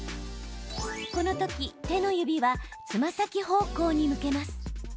この時、手の指はつま先方向に向けます。